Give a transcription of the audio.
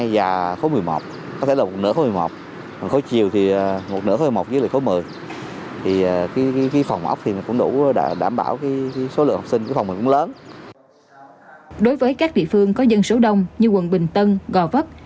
đối với các địa phương có dân số đông như quận bình tân gò vấp